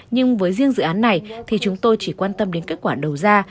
nhưng với riêng dự án này thì chúng tôi chỉ quan tâm đến kết quả đầu ra